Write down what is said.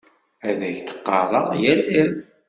Ad ak-d-ɣɣareɣ yal iḍ.